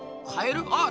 あっ！